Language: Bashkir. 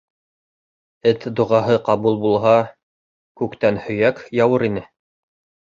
Эт доғаһы ҡабул булһа, күктән һөйәк яуыр ине.